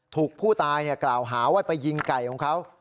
ถูกผู้ตายกล่าวหาว่าไปยิงไก่ของเขา